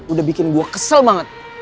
udah bikin gue kesel banget